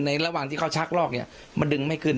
ระหว่างที่เขาชักลอกเนี่ยมันดึงไม่ขึ้น